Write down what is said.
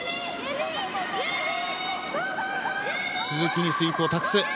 鈴木にスイープを託す。